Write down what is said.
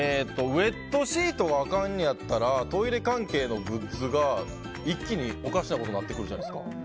ウェットシートがあかんのやったらトイレ関係のグッズが一気におかしなことになってくるじゃないですか。